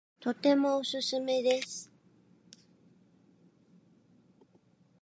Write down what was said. とてもおすすめです